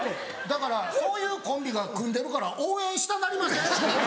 だからそういうコンビが組んでるから応援したなりません？